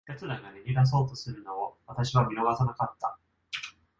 奴らが逃げ出そうとするのを、私は見逃さなかった。